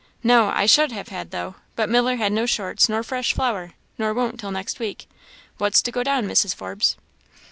"No; I should have had, though, but Miller had no shorts nor fresh flour, nor won't till next week. What's to go down, Mrs. Forbes?"